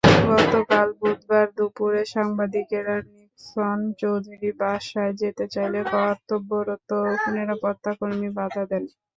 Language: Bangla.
গতকাল বুধবার দুপুরে সাংবাদিকেরা নিক্সন চৌধুরীর বাসায় যেতে চাইলে কর্তব্যরত নিরাপত্তাকর্মী বাধা দেন।